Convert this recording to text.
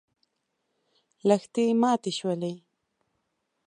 لښتې ماتې شولې.